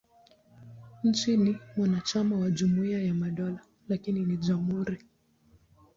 Nchi ni mwanachama wa Jumuiya ya Madola, lakini ni jamhuri.